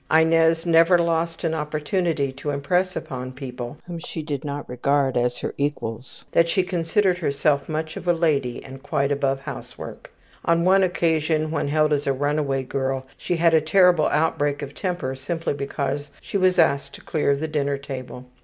Inez never lost an opportunity to impress upon people whom she did not regard as her equals that she considered herself much of a lady and quite above housework. On one occasion, when held as a runaway girl, she had a terrible outbreak of temper simply because she was asked to clear the dinner table.